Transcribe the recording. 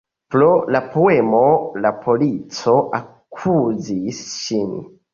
Pro la poemo la polico akuzis ŝin.